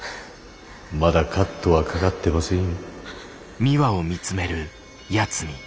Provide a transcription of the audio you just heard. まだカットはかかってませんよ。